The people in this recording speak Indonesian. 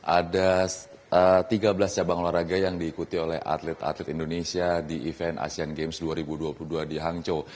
ada tiga belas cabang olahraga yang diikuti oleh atlet atlet indonesia di event asean games dua ribu dua puluh dua di hangzhou